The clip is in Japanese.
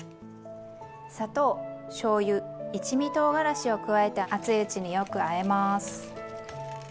砂糖しょうゆ一味とうがらしを加えて熱いうちによくあえます。